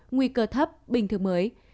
nguy cơ thấp bình thường mới